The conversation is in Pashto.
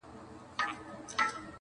اوس به چيري د زلميو څڼي غورځي،